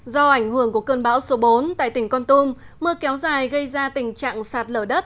do ảnh hưởng của cơn bão số bốn tại tỉnh con tum mưa kéo dài gây ra tình trạng sạt lở đất